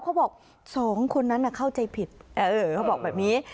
เขาบอกสองคนนั้นเข้าใจผิดเขาบอกแบบนี้